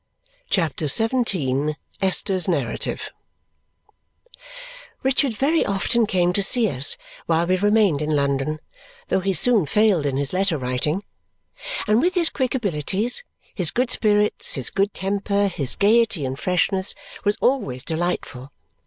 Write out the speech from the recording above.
CHAPTER XVII Esther's Narrative Richard very often came to see us while we remained in London (though he soon failed in his letter writing), and with his quick abilities, his good spirits, his good temper, his gaiety and freshness, was always delightful.